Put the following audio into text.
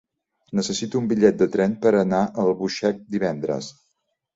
Necessito un bitllet de tren per anar a Albuixec divendres.